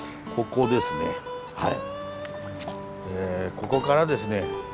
ここからですね